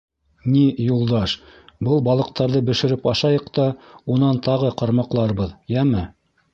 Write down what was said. — Ни, Юлдаш, был балыҡтарҙы бешереп ашайыҡ та унан тағы ҡармаҡларбыҙ, йәме.